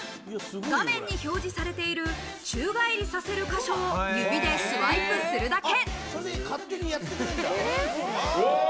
画面に表示されている宙返りさせる個所を指でスワイプするだけ。